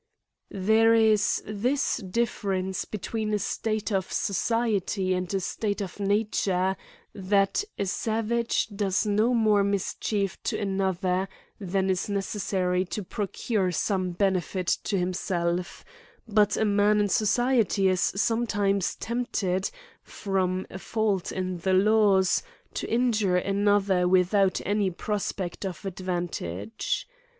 There is this difference b^ween a state of sq ,ciety and a state of nature, that a savage does no jnore mischief to another than is necessary to pro cure some benefit to himself ; but a man in society is sonietimcs tempted, from a fault in the laws, to injure another without any prospect of advan* CRBIES AND PUNISHMENTS. • i47 tage.